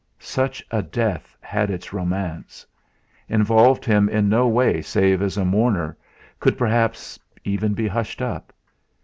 Such a death had its romance; involved him in no way save as a mourner, could perhaps even be hushed up!